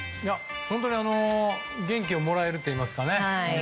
本当に、元気をもらえるといいますかね。